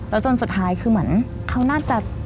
แล้วจนสุดท้ายคือเหมือนเขาน่าจะ